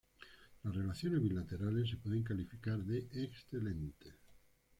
Las relaciones bilaterales se pueden calificar de excelentes.